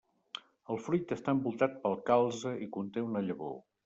El fruit està envoltat pel calze i conté una llavor.